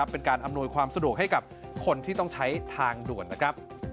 เป็นการอำนวยความสะดวกให้กับคนที่ต้องใช้ทางด่วนนะครับ